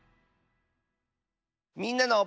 「みんなの」。